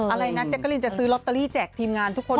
อะไรนะแจ๊กกะลินจะซื้อลอตเตอรี่แจกทีมงานทุกคน